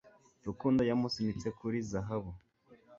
Rukundo yamusunitse kuri zahabu